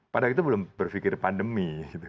pada waktu itu belum berpikir pandemi